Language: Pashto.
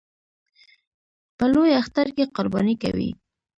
په لوی اختر کې قرباني کوي